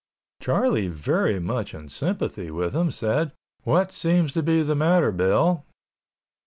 Charlie very much in sympathy with him said, "What seems to be the matter, Bill?"